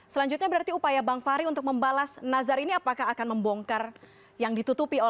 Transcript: selanjutnya berarti upaya bang fahri untuk membalas nazar ini apakah akan membongkar yang ditutupi